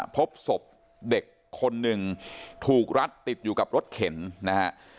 พบศพเด็กคนหนึ่งถูกรัดติดอยู่กับรถเข็นนะฮะ